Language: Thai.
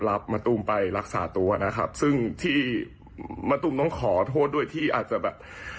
มะตูมไปรักษาตัวนะครับซึ่งที่มะตูมต้องขอโทษด้วยที่อาจจะแบบ